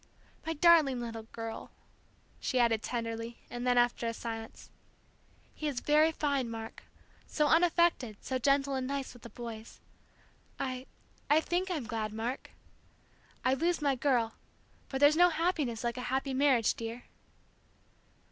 "My darling little girl!" she added tenderly; and then, after a silence, "He is very fine, Mark, so unaffected, so gentle and nice with the boys. I I think I'm glad, Mark. I lose my girl but there's no happiness like a happy marriage, dear."